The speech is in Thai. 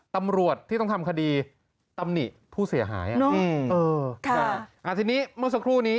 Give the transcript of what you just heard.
ตำรวจที่ต้องทำคดีตำหนิผู้เสียหายทีนี้เมื่อสักครู่นี้